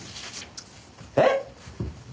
えっ！？